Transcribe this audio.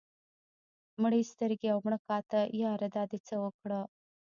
مړې سترګې او مړه کاته ياره دا دې څه اوکړه